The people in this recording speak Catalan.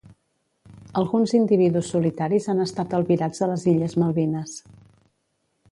Alguns individus solitaris han estat albirats a les Illes Malvines.